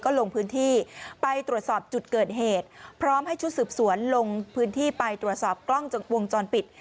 ลงพื้นที่ไปตรวจสอบจุดเกิดเหตุพร้อมให้ชุดสืบสวนลงพื้นที่ไปตรวจสอบกล้องวงจรปิด